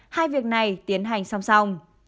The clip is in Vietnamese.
hai việc này tiến hành song song